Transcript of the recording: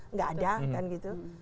tidak ada kan gitu